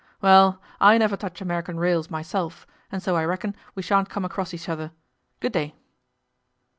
'Well, I never touch American rails myself, and so I reckon we sha'n't come across each other. Good day.